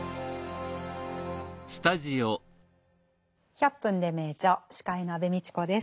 「１００分ｄｅ名著」司会の安部みちこです。